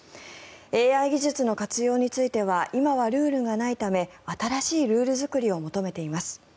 ＡＩ技術の活用については今はルールがないため新しいルール作りを求めています。